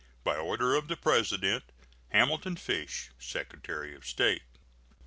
By order of the President: HAMILTON FISH, Secretary of State.